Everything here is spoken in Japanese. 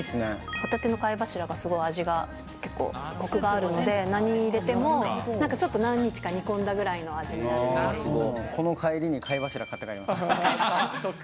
ホタテの貝柱がすごい味が結構、こくがあるので、何に入れても、ちょっと何日か煮込んだぐらこの帰りに貝柱買って帰りま